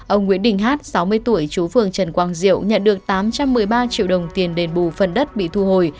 ông nguyễn đình hát sáu mươi tuổi chú phường trần quang diệu nhận được tám trăm một mươi ba triệu đồng tiền đền bù phần đất bị thu hồi